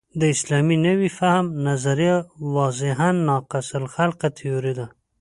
د اسلامي نوي فهم نظریه واضحاً ناقص الخلقه تیوري ده.